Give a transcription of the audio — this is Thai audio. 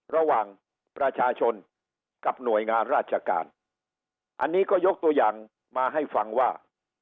ระหว่างประชาชนกับหน่วยงานราชการอันนี้ก็ยกตัวอย่างมาให้ฟังว่า